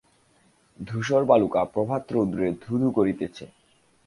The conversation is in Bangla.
ধূসর বালুকা প্রভাতরৌদ্রে ধু-ধু করিতেছে।